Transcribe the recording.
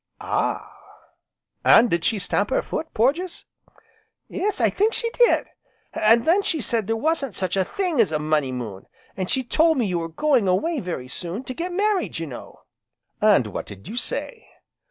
"Ah! and did she stamp her foot, Porges?" "Yes, I think she did; an' then she said there wasn't such a thing as a Money Moon, an' she told me you were going away very soon, to get married, you know." "And what did you say?"